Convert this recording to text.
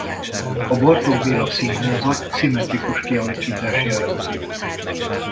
A Bartók Béla Színházat szimmetrikus kialakítás jellemzi.